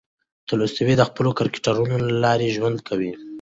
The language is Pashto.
تولستوی د خپلو کرکټرونو له لارې ژوند کوي.